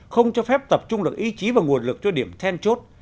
không cho phép tập trung được ý chí và nguồn lực cho điểm then chốt